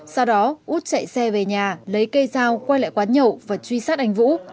sau đó út chạy xe về nhà lấy cây dao quay lại quán nhậu và truy sát anh vũ